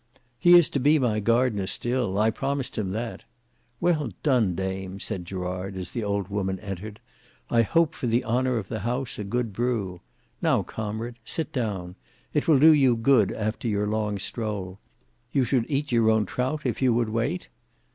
He is to be my gardener still. I promised him that. Well done, dame," said Gerard, as the old woman entered; "I hope for the honour of the house a good brew. Now comrade sit down: it will do you good after your long stroll. You should eat your own trout if you would wait?"